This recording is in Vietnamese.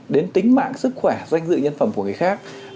đến tính mạng sức khỏe danh dự nhân phẩm của người khác